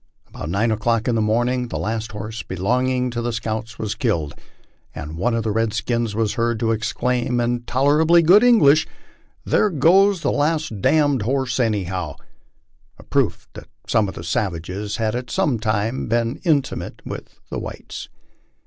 About nine o'clock in the morning the last horse belonging to the scouts was killed, and one of the red skins was heard to exclaim in tolera bly good English, "There goes the last damned horse anyhow; " a proof that some of the savages had at some time been intimate with the whites.